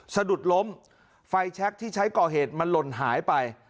สะดุดล้มไฟแชคที่ใช้ก่อเหตุมันหล่นหายไป